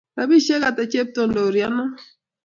robishiek hata cheptondoriono?